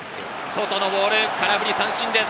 外のボール、空振り三振です。